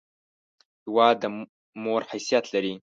هېواد د مور حیثیت لري!